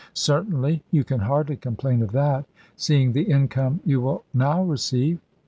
"Certainly. You can hardly complain of that, seeing the income you will now receive."